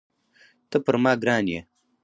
ته پر ما ګران یې.